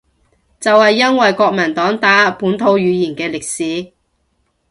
就係因為國民黨打壓本土語言嘅歷史